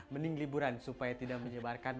mending liburan supaya tidak menyebarkan